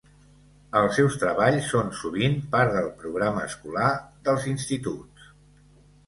Els seus treballs són sovint part del programa escolar dels instituts.